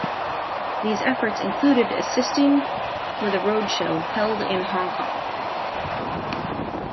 These efforts included assisting with a road show held in Hong Kong.